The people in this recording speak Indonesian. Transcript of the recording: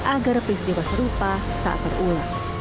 agar peristiwa serupa tak terulang